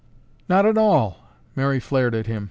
"Not at all!" Mary flared at him.